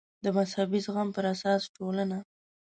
د مذهبي زغم پر اساس ټولنه